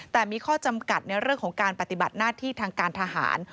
แต่มีข้อจำกัดในเรื่องของการปฏิบัติหน้าที่ทางการทหาร